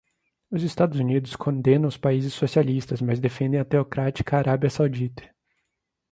Os Estados Unidos condenam os países socialistas mas defendem a teocrática Arábia Saudita